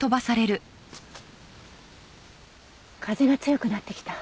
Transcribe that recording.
風が強くなってきた。